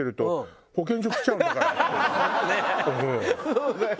そうだよ。